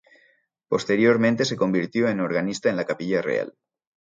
Posteriormente se convirtió en organista en la Capilla Real.